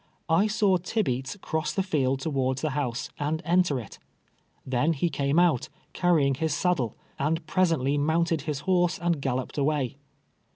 I saw Tibeats cross the field towards the house, and enter it — then he came out, carrying his saddle, and presently mounted his horse and galloj^ed away.